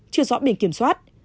chưa rõ biển kiểm soát